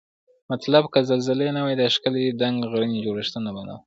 مطلب که زلزلې نه وای دا ښکلي دنګ غرني جوړښتونه به نوای